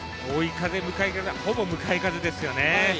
追い風、向かい風、ほぼ向かい風ですよね。